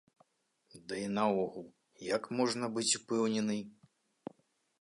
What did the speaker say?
Ды і наогул, як можна быць упэўненай?